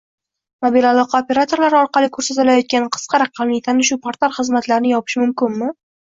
Mobil aloqa operatorlari orqali ko’rsatilayotgan qisqa raqamli tanishuv portal xizmatlarini yopish mumkinmi?